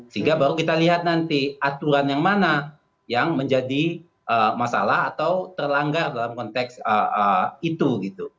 sehingga baru kita lihat nanti aturan yang mana yang menjadi masalah atau terlanggar dalam konteks itu gitu